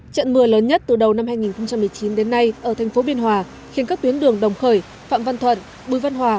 trận mưa lớn nhất từ đầu năm hai nghìn một mươi chín đến nay ở thành phố biên hòa khiến các tuyến đường đồng khởi phạm văn thuận bùi văn hòa